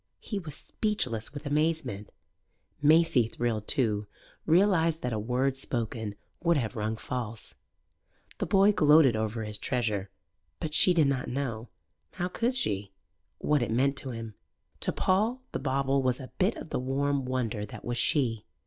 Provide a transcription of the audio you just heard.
He was speechless with amazement; Maisie, thrilled too, realized that a word spoken would have rung false. The boy gloated over his treasure; but she did not know how could she? what it meant to him. To Paul the bauble was a bit of the warm wonder that was she.